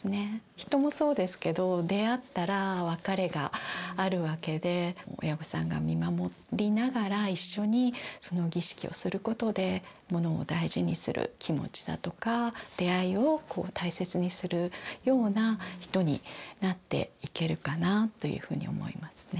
人もそうですけど出会ったら別れがあるわけで親御さんが見守りながら一緒にその儀式をすることで物を大事にする気持ちだとか出会いを大切にするような人になっていけるかなというふうに思いますね。